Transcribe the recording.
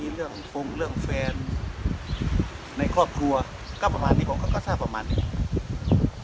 เรื่องแฟนในครอบครัวก็ประมาณนี้ผมก็ก็ทราบประมาณนี้